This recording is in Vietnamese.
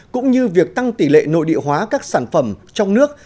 cũng như việc tăng tỷ lệ nội địa hóa các sản phẩm trong nước